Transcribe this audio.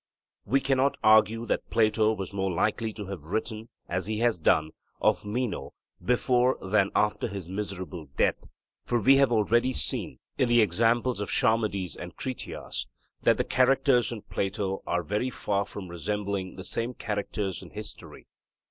We cannot argue that Plato was more likely to have written, as he has done, of Meno before than after his miserable death; for we have already seen, in the examples of Charmides and Critias, that the characters in Plato are very far from resembling the same characters in history.